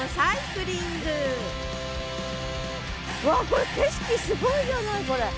これ景色すごいじゃないこれ！